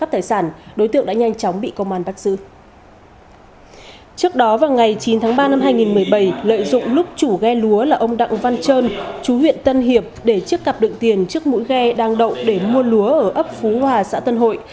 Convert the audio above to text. trước đó vào ngày chín tháng ba năm hai nghìn một mươi bảy lợi dụng lúc chủ ghe lúa là ông đặng văn trơn chú huyện tân hiệp để chiếc cặp đựng tiền trước mũi ghe đang đậu để mua lúa ở ấp phú hòa xã tân hội